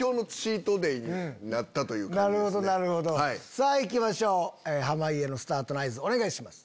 さぁいきましょう濱家のスタートの合図お願いします。